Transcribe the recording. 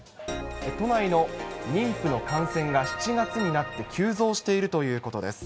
都内の妊婦の感染が７月になって急増しているということです。